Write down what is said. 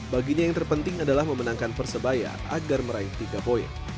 baginya yang terpenting adalah memenangkan persebaya agar meraih tiga poin